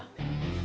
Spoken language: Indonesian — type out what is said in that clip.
saya tau proyeknya